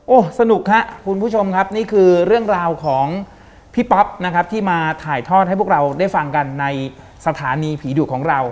โอ้โหสนุกครับคุณผู้ชมครับนี่คือเรื่องราวของพี่ป๊อปนะครับที่มาถ่ายทอดให้พวกเราได้ฟังกันในสถานีผีดุของเรา